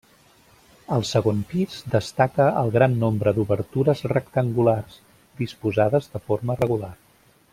Al segon pis destaca el gran nombre d'obertures rectangulars, disposades de forma regular.